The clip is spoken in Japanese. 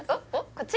こっち？